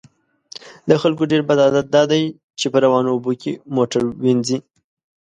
د خلکو ډیر بد عادت دا دی چې په روانو اوبو کې موټر وینځي